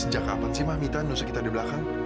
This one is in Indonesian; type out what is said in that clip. sejak kapan sih ma mita nusuk kita di belakang